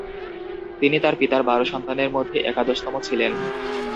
তিনি তার পিতার বারো সন্তানের মধ্যে একাদশতম ছিলেন।